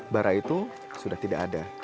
bara itu sudah tidak ada